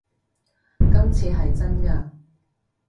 今次係真嘅